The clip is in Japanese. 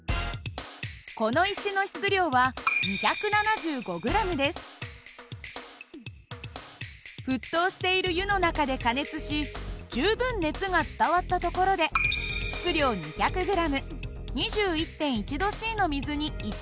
この石の質量は沸騰している湯の中で加熱し十分熱が伝わったところで質量２００ｇ２１．１℃の水に石を入れます。